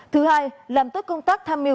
thứ hai làm tốt công tác tham mưu